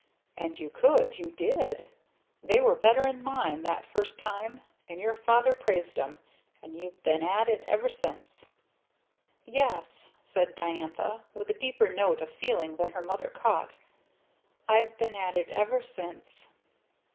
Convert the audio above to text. And you could! you did! They were bettern' mine that first time and your Father praised 'em and you've been at it ever since." "Yes," said Diantha, with a deeper note of feeling than her mother caught, "I've been at it ever since!"